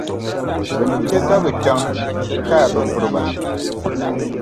Bɛ ni che ka bɛ chaŋ nti kaai bɛ piriba.